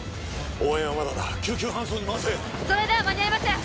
応援はまだだ救急搬送に回せそれでは間に合いません